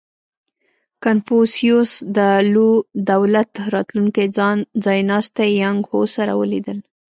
• کنفوسیوس د لو دولت راتلونکی ځایناستی یانګ هو سره ولیدل.